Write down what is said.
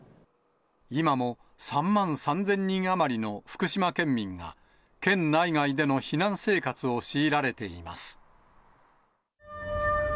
今も３万３０００人余りの福島県民が、県内外での避難生活を強いられています。